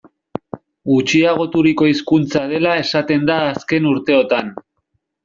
Gutxiagoturiko hizkuntza dela esaten da azken urteotan.